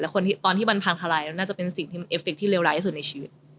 แล้วตอนที่มันพังทะลายน่าจะเป็นสิ่งที่เอฟฟิกต์ที่เลวร้ายที่สุดในชีวิต